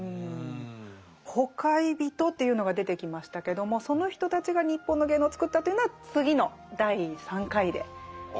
「ほかひびと」というのが出てきましたけどもその人たちが日本の芸能を作ったというのは次の第３回で。